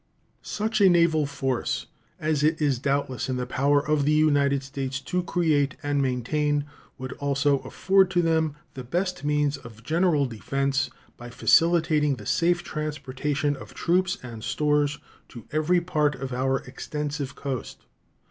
Such a naval force as it is doubtless in the power of the United States to create and maintain would also afford to them the best means of general defense by facilitating the safe transportation of troops and stores to every part of our extensive coast.